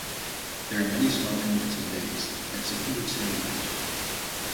There are many small inlets and bays and secluded sandy beaches.